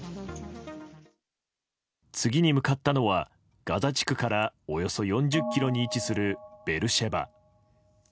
次に向かったのはガザ地区からおよそ４０ｋｍに位置するベルシェバ。